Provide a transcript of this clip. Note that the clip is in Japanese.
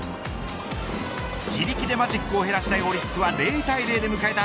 自力でマジックを減らしたいオリックスは０対０で迎えた